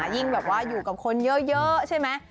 ยิ่งแบบว่าอยู่กับคนเยอะใช่ไหม